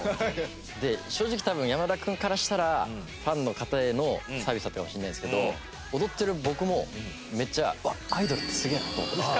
で正直多分山田君からしたらファンの方へのサービスだったかもしれないですけど踊ってる僕もめっちゃうわっアイドルってすげえなって思ったんですよ。